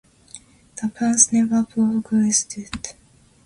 The plans never progressed.